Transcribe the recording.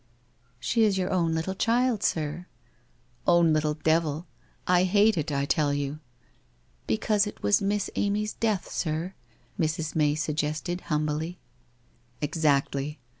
' She is your own little child, sir.' * Own little devil ! I hate it, I tell you.' ' Because it was Miss Amy's death, sir ?' Mrs. May suggested, humbly. ' Exactly.